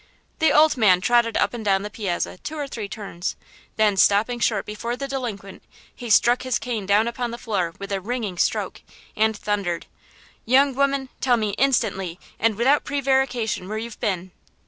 The old man trotted up and down the piazza two or three turns, then, stopping short before the delinquent, he struck his cane down upon the floor with a ringing stoke and thundered: "Young woman, tell me instantly and without prevarication where you've been!"